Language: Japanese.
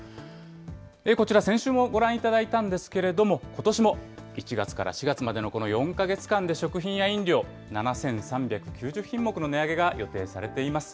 こちら、先週もご覧いただいたんですけれども、ことしも１月から４月までのこの４か月間で食品や飲料、７３９０品目の値上げが予定されています。